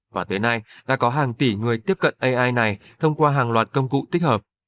và tới nay đã có hàng tỷ người tiếp cận ai này thông qua hàng loạt công cụ tích hợp